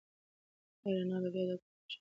ایا رڼا به بيا دا کوټه روښانه کړي؟